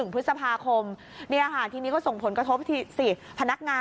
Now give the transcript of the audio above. ๑พฤษภาคมทีนี้ก็ส่งผลกระทบที่สิต